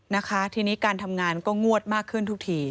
นะคะทีนี้การทำงานก็งวดมากขึ้นทุกที